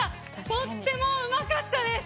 とってもうまかったです。